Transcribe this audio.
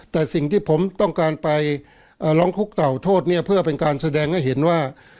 แต่สิ่งที่ผมต้องการไปร้องทุกข์เต่าโทษเนี่ยเพื่อเป็นการแสดงให้เห็นว่า